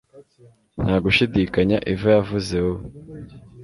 Nta gushidikanya Eva yavuze wowe